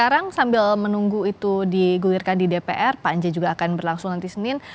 sekarang sambil menunggu itu digulirkan di dpr panja juga akan berlangsung nanti senin